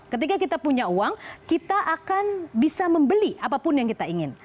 ketika kita punya uang kita akan bisa membeli apapun yang kita ingin